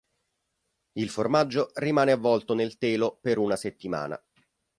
Il formaggio rimane avvolto nel telo per una settimana.